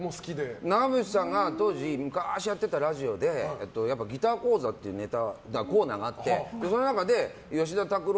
長渕さんが昔やってたラジオでギター講座っていうコーナーがあってその中で吉田拓郎